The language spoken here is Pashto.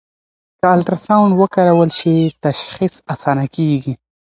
که الټراساؤنډ وکارول شي، تشخیص اسانه کېږي.